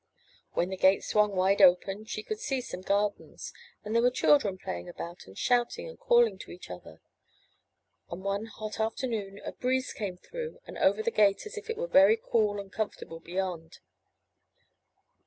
When the gate swung wide open she could see some gardens, and there were children playing about and shouting and calling to each other. And one hot afternoon a breeze came through and over the gate as if it were very cool and comfortable beyond.